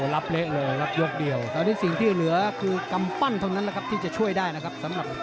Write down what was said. แล้วนี่เป็นกับทำปั้นมาช่วยได้นะครับ